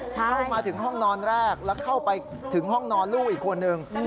เข้ามาถึงห้องนอนแรกแล้วเข้าไปถึงห้องนอนลูกอีกคนนึง